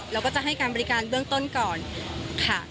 แล้วก็จะให้การบริการเบื้องต้นก่อนค่ะ